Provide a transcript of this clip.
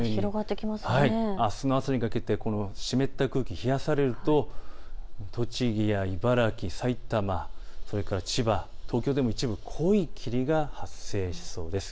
白いところがそうでして、このようにあすの朝にかけてこの湿った空気、冷やされると栃木や茨城、埼玉、それから千葉、東京でも一部濃い霧が発生しそうです。